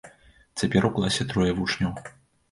Цяпер у класе трое вучняў.